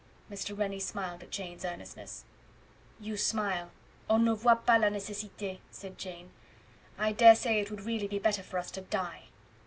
Mr. Rennie smiled at Jane's earnestness. "You smile, 'ON NE VOIT PAS LA NECESSITE'," said Jane. "I dare say it would really be better for us to die."